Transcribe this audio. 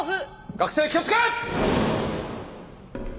学生気を付け！